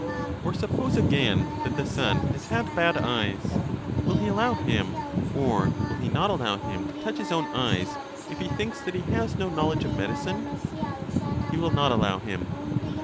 Or suppose again that the son has bad eyes, will he allow him, or will he not allow him, to touch his own eyes if he thinks that he has no knowledge of medicine? He will not allow him.